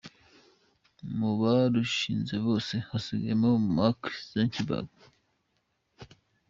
Mu barushinze bose hasigayemo Mark Zuckerberg.